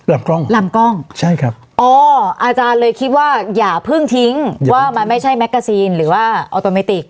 ลำกล้องลำกล้องใช่ครับอ๋ออาจารย์เลยคิดว่าอย่าเพิ่งทิ้งว่ามันไม่ใช่แกซีนหรือว่าออโตเมติก